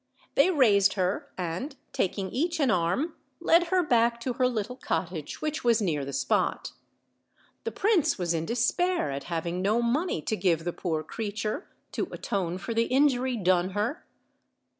They raised her and, taking each an arm, led her back to her little cottage, which was near the spot. The prince was in despair at having no money to give the poor creature to atone for the injury done her.